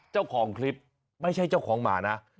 เจ้าของคลิปไม่ใช่เจ้าของหมานะ